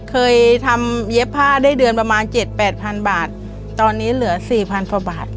เคยทำเย็บผ้าได้เดือนประมาณ๗๐๐๐๘๐๐๐บาทตอนนี้เหลือ๔๐๐๐พอบาท